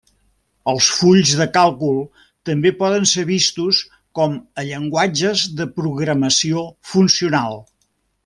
Els fulls de càlcul també poden ser vistos com a llenguatges de programació funcional.